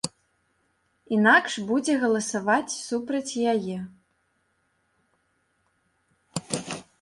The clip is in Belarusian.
Інакш будзе галасаваць супраць яе.